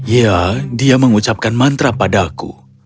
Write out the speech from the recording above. ya dia mengucapkan mantra padaku